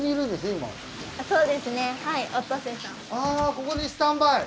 あここでスタンバイ！